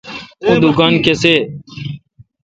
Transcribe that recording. اوں دکان کسے°